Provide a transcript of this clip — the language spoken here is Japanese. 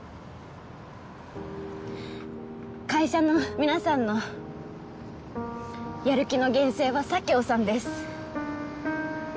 会社の皆さんのやる気の源泉は佐京さんです